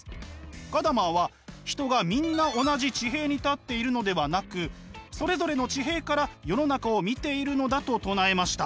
ガダマーは人がみんな同じ地平に立っているのではなくそれぞれの地平から世の中を見ているのだと唱えました。